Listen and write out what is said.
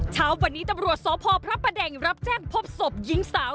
เช้าวันนี้ตำรวจสพพระประแดงรับแจ้งพบศพหญิงสาว